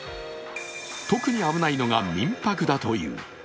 特に危ないのが民泊だという。